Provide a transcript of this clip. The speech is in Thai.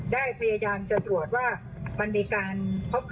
ได้พยายามจะตรวจว่ามันมีการพบฆ่าภาษาวะไหมนะคะ